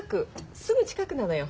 すぐ近くなのよ。